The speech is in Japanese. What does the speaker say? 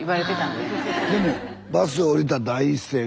でもバス降りた第一声が「あつ」。